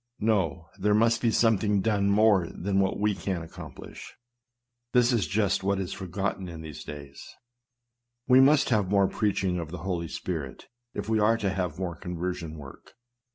No, there must be some thing done more than we can accomplish. This is just what is forgotten in these days. We must have 250 SERMONS. more preaching of the Holy Spirit, if we are to have more conversion work.